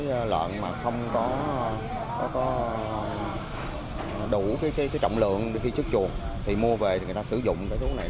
phần mà không có đủ trọng lượng khi chức chuột thì mua về người ta sử dụng cái thứ này